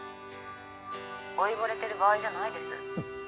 老いぼれてる場合じゃないです。